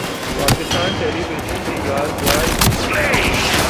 Pakistan television کے یادگار ڈرامے